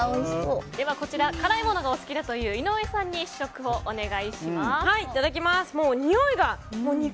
こちら辛いものがお好きだという井上さんに試食をお願いします。